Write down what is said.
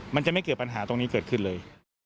มันจะไม่เกิดปัญหาตรงนี้เกิดขึ้นเลย